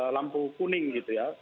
lampu kuning gitu ya